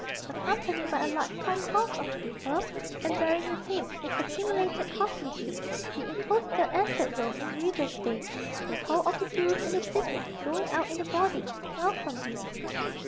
Accompanied by a large concourse of people, and bearing with him his accumulated costly gifts, the impostor entered Rome in regal state, the whole of the Jews in the city going out in a body to welcome him.